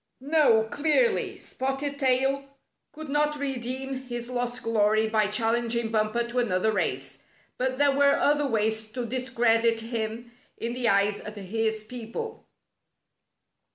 No, clearly. Spotted Tail could not redeem his lost glory by challenging Bumper to another race. But there were other ways to discredit him in the eyes of his people.